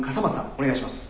お願いします。